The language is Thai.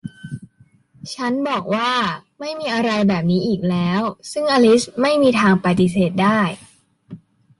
ฉันบอกว่า ไม่มีอะไรแบบนี้อีกแล้ว ซึ่งอลิซไม่มีทางปฏิเสธได้